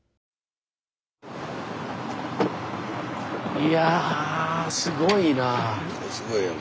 いやすごいなぁ。